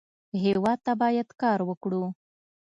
هېواد ته باید کار وکړو